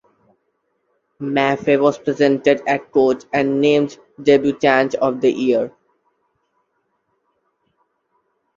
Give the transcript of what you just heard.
Maffey was presented at Court and named Debutante of the Year.